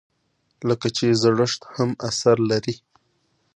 لکه چې زړښت هم اثر لري.